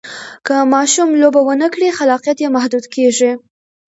که ماشوم لوبه ونه کړي، خلاقیت یې محدود کېږي.